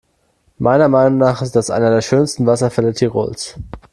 Meiner Meinung nach ist das einer der schönsten Wasserfälle Tirols.